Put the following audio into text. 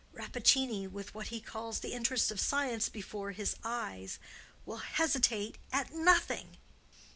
Rappaccini, with what he calls the interest of science before his eyes, will hesitate at nothing."